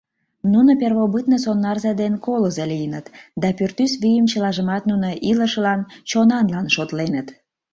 Нуно первобытный сонарзе ден колызо лийыныт да пӱртӱс вийым чылажымат нуно илышылан, чонанлан шотленыт.